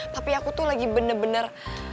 tapi aku tuh lagi bener bener